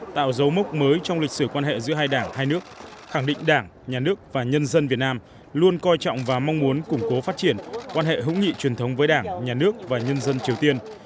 tạo dấu mốc mới trong lịch sử quan hệ giữa hai đảng hai nước khẳng định đảng nhà nước và nhân dân việt nam luôn coi trọng và mong muốn củng cố phát triển quan hệ hữu nghị truyền thống với đảng nhà nước và nhân dân triều tiên